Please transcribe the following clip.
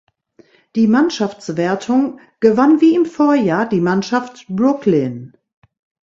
Die Mannschaftswertung gewann wie im Vorjahr die Mannschaft Brooklyn.